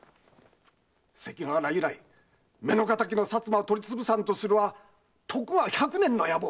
関ヶ原以来目の敵の薩摩を取り潰さんとするは徳川百年の野望。